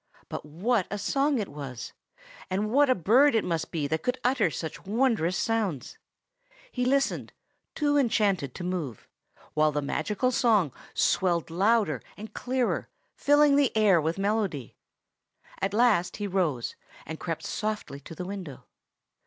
But what a song it was! And what a bird it must be that could utter such wondrous sounds! He listened, too enchanted to move, while the magical song swelled louder and clearer, filling the air with melody. At last he rose, and crept softly to the window.